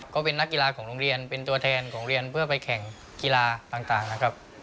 ก็เป็นนักกีฬาของโรงเรียนเป็นตัวแทนของเรียนเพื่อไปแข่งกีฬาต่างนะครับ